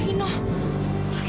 akhirnya ketemu juga di sini